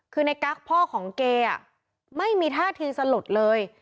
คือในกั๊กพ่อของเกย์ไม่มีท่าทีสลดเลย